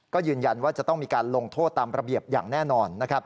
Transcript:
ก็ยืนยันว่าจะต้องมีการลงโทษตามระเบียบอย่างแน่นอน